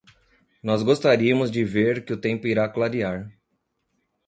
Nós gostaríamos de ver que o tempo irá clarear.